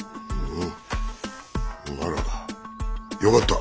ならよかった！